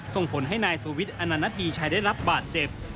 ส่งผลให้นายสุวิทย์อนานาทีชายได้รับบาดเจ็บ